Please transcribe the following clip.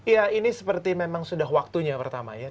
ya ini seperti memang sudah waktunya pertama ya